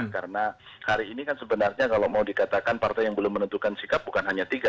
karena hari ini kan sebenarnya kalau mau dikatakan partai yang belum menentukan sikap bukan hanya tiga